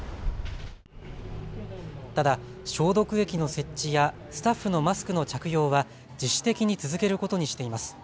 ただ、消毒液の設置やスタッフのマスクの着用は自主的に続けることにしています。